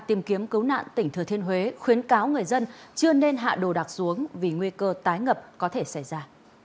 tìm kiếm cứu nạn tỉnh thừa thiên huế khuyến cáo người dân chưa nên hạ đồ đạc xuống vì nguy cơ tái ngập có thể xảy ra